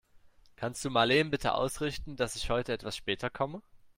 Kannst du Marleen bitte ausrichten, dass ich heute etwas später komme?